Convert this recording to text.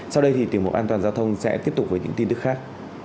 sau đây thì tiểu mục an toàn giao thông sẽ tiếp tục với những tin tức khác